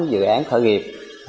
dự án khởi nghiệp